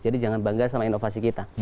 jadi jangan bangga sama inovasi kita